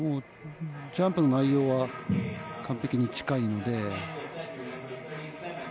ジャンプの内容は完璧に近いので。